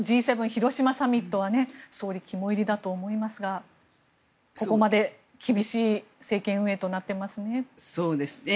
広島サミットは総理肝煎りだと思いますがここまで、厳しい政権運営となっていますね。